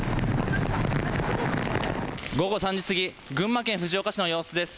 午後３時過ぎ、群馬県藤岡市の様子です。